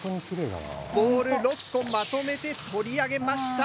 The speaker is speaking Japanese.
ボール６個まとめて取り上げました。